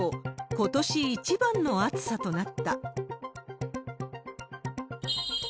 ことし一番の暑さとなった。